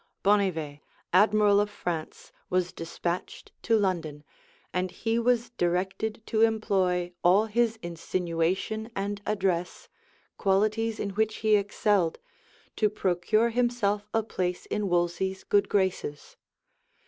{1518.} Bonnivet, admiral of France, was despatched to London, and he was directed to employ all his insinuation and address, (qualities in which he excelled,) to procure himself a place in Wolsey's good graces.